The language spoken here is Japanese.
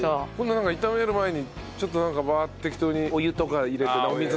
なんか炒める前にちょっとバーッて適当にお湯とか入れてお水とか入れて。